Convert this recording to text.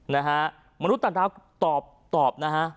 นะฮะมนุษย์ต่างดาวตอบตอบนะฮะ